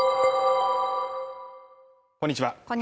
こんにちは。